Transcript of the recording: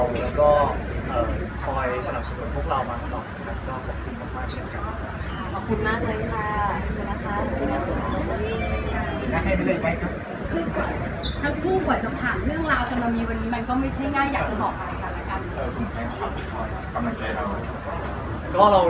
และก็คอยสนับสนุนพวกเรามาตรงรักด้วย